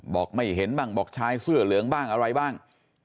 บอกไม่เห็นบ้างบอกชายเสื้อเหลืองบ้างอะไรบ้าง